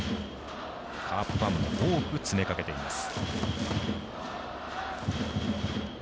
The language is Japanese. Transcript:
カープファンも多く詰めかけています。